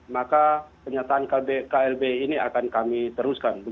maka pernyataan klb ini akan kami teruskan